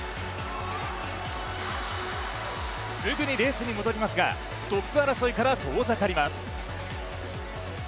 すぐにレースに戻りますがトップ争いから遠ざかります。